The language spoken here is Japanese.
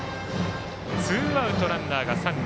ツーアウト、ランナーが三塁。